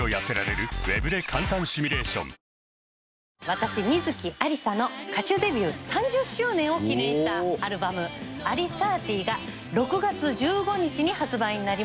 私観月ありさの歌手デビュー３０周年を記念したアルバム『Ａｌｉ３０』が６月１５日に発売になります。